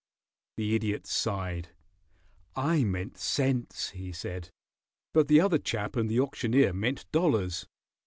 The Idiot sighed. "I meant cents," he said, "but the other chap and the auctioneer meant dollars.